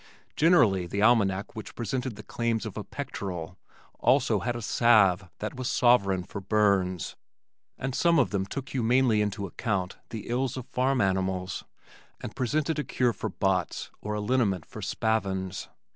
Generally the almanac which presented the claims of a "pectoral" also had a "salve" that was "sovereign for burns" and some of them humanely took into account the ills of farm animals and presented a cure for bots or a liniment for spavins.